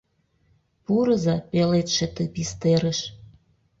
Пурыза пеледше ты пистерыш!